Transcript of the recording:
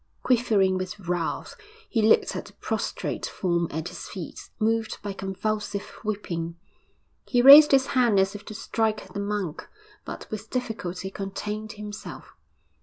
Quivering with wrath, he looked at the prostrate form at his feet, moved by convulsive weeping. He raised his hand as if to strike the monk, but with difficulty contained himself.